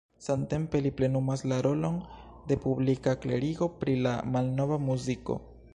Samtempe li plenumas la rolon de publika klerigo pri la malnova muziko.